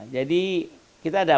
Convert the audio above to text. jadi kita ada